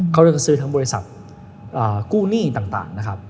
เขาก็จะซื้อทั้งบริษัทกู้หนี้ต่างนะครับ